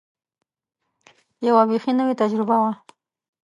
یوه بېخي نوې تجربه وه.